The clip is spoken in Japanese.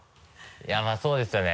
いやまぁそうですよね。